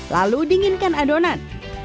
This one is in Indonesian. lalu dinginkan adonan